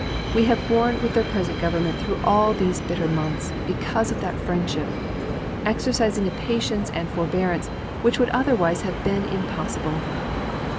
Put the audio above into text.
We have borne with their present government through all these bitter months because of that friendship exercising a patience and forbearance which would otherwise have been impossible.